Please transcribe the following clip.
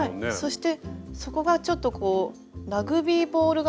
そして底がちょっとラグビーボール形？